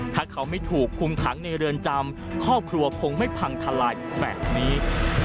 ถ้าเขาไม่ถูกคุมขังในเรือนจำครอบครัวคงไม่พังทลายแบบนี้